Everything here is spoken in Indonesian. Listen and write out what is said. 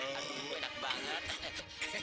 aduh enak banget